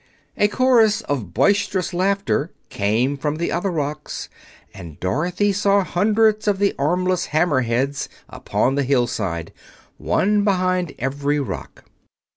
A chorus of boisterous laughter came from the other rocks, and Dorothy saw hundreds of the armless Hammer Heads upon the hillside, one behind every rock.